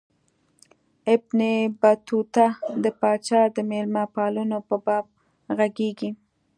ابن بطوطه د پاچا د مېلمه پالنو په باب ږغیږي.